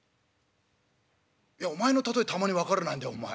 「いやお前のたとえたまに分からないんだよお前。